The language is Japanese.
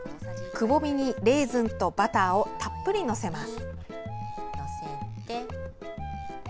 くぼみに、レーズンとバターをたっぷり載せます。